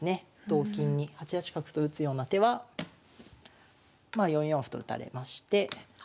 同金に８八角と打つような手はまあ４四歩と打たれまして。